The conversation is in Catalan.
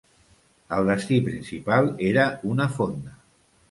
El destí principal era una fonda.